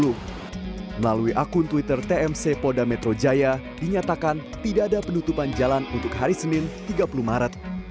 melalui akun twitter tmc polda metro jaya dinyatakan tidak ada penutupan jalan untuk hari senin tiga puluh maret